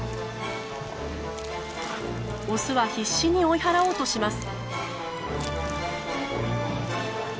オスは必死に追い払おうとします。